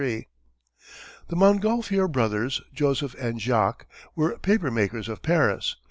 The Montgolfier brothers, Joseph and Jacques, were paper makers of Paris.